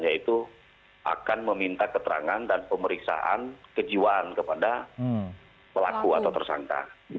yaitu akan meminta keterangan dan pemeriksaan kejiwaan kepada pelaku atau tersangka